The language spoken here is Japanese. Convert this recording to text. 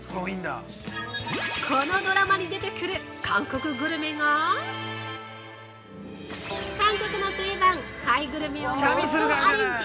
このドラマに出てくる韓国グルメが韓国の定番、貝グルメを妄想アレンジ！